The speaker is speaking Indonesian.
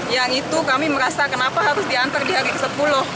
yang itu kami merasa kenapa harus diantar di hari ke sepuluh